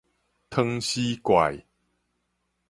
湯匙狐